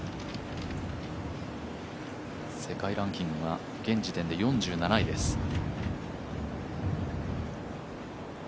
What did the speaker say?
世界ランキングが現時点で４７位です。